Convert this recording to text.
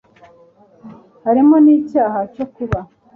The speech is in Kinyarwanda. harimo n'icyaha cyo kuba